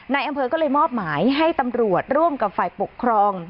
นายอำเภอก็เลยมอบหมายให้ตำรวจร่วมกับฝ่ายปกครอง